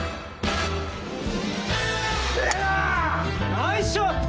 ナイスショット！